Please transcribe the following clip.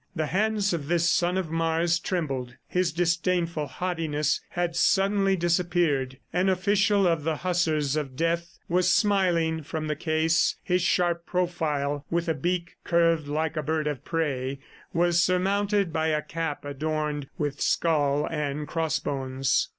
The hands of this son of Mars trembled. ... His disdainful haughtiness had suddenly disappeared. An official of the Hussars of Death was smiling from the case; his sharp profile with a beak curved like a bird of prey, was surmounted by a cap adorned with skull and cross bones.